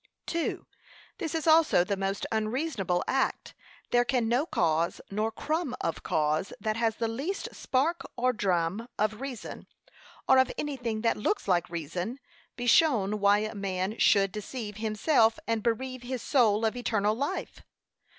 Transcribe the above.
2. This is also the most unreasonable act; there can no cause, nor crumb of cause that has the least spark or dram of reason, or of anything that looks like reason, be shown why a man should deceive himself, and bereave his soul of eternal life.